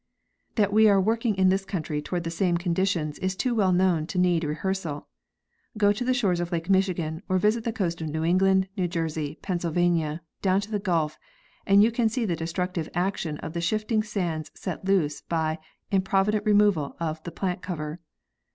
That we are working in this country toward the same condi tions is too well known to need rehearsal. Go to the shores of lake Michigan or visit the coast of New England, New Jersey, Pennsylvania, down to the Gulf, and you can see the destructive action of the shifting sands set loose by improvident removal of the plant cover.